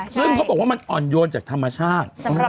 ซึ่งเขาบอกว่ามันอ่อนโยนจากธรรมชาติ